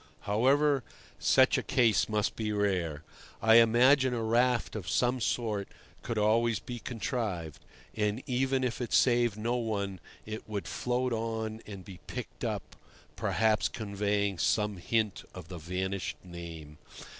However, such a case must be rare. I imagine a raft of some sort could always be contrived; and, even if it saved no one, it would float on and be picked up, perhaps conveying some hint of the vanished name.